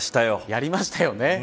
やりましたよね。